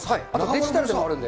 デジタルでもあるんで。